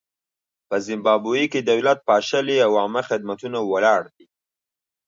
په زیمبابوې کې دولت پاشلی او عامه خدمتونه ولاړ دي.